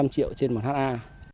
bốn trăm linh triệu trên một ha